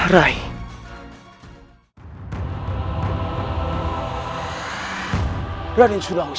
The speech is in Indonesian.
rayus rayus sensa pergi